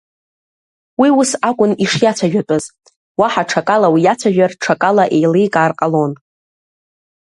Уи ус акәын ишиацәажәатәыз, уаҳа ҽакала уиацәажәар ҽакала еиликаар ҟалон.